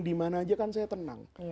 dimana aja kan saya tenang